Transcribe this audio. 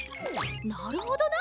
なるほどな！